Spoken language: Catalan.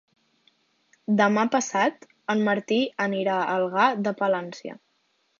Demà passat en Martí anirà a Algar de Palància.